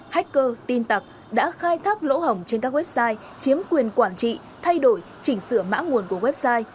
hacker tin tặc đã khai thác lỗ hỏng trên các website chiếm quyền quản trị thay đổi chỉnh sửa mã nguồn của website